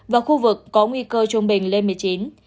và khu vực có nguy cơ trung bình lên một mươi chín